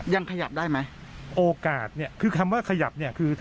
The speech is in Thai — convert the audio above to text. ยังขยับได้ไหมโอกาสคือคำว่าขยับ